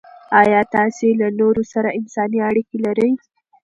آیا تاسې له نورو سره انساني اړیکې لرئ؟